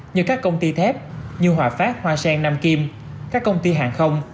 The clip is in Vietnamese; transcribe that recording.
như các công ty thép như hòa phát hoa sen nam kim các công ty hàng không